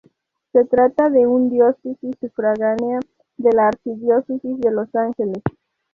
Se trata de un diócesis sufragánea de la Arquidiócesis de Los Ángeles.